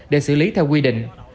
để xử lý theo quy định